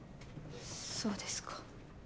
そうですか。